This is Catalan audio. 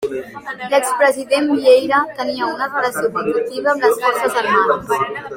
L'ex-President Vieira tenia una relació conflictiva amb les forces armades.